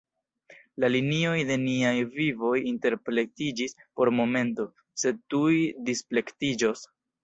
La linioj de niaj vivoj interplektiĝis por momento, sed tuj displektiĝos.